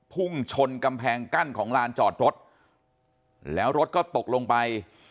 พุ่งชนกำแพงกั้นของลานจอดรถแล้วรถก็ตกลงไป